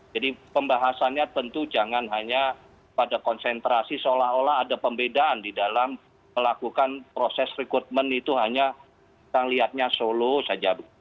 jadi pembahasannya tentu jangan hanya pada konsentrasi seolah olah ada pembedaan di dalam melakukan proses rekrutmen itu hanya yang lihatnya solo saja